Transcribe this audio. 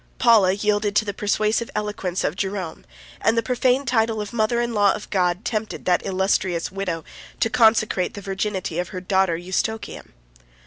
Paula yielded to the persuasive eloquence of Jerom; 28 and the profane title of mother in law of God 29 tempted that illustrious widow to consecrate the virginity of her daughter Eustochium.